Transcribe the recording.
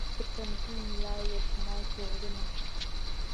پر تنکۍ ملا یې تڼاکې غرونه